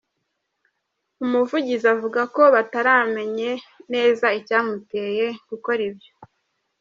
Umuvugizi avuga ko bataramenye neza icyamuteye gukora ibyo.